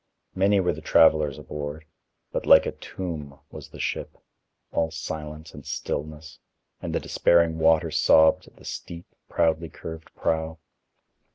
Many were the travelers aboard, but like a tomb was the ship, all silence and stillness, and the despairing water sobbed at the steep, proudly curved prow.